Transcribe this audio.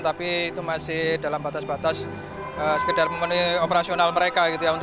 tapi itu masih dalam batas batas sekedar membeli operasional mereka